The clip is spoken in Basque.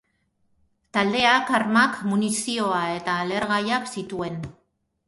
Taldeak armak, munizioa eta lehergaiak zituen.